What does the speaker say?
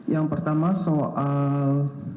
yang pertama soal